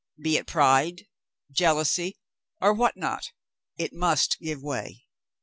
Be it pride, jealousy, or what not, it must give way.